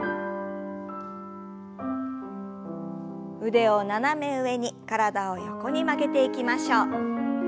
腕を斜め上に体を横に曲げていきましょう。